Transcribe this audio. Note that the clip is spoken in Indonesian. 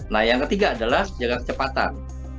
nah yang ketiga adalah menjaga kecepatan